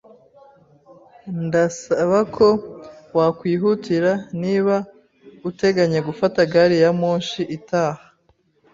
Ndasaba ko wakwihutira niba uteganya gufata gari ya moshi itaha.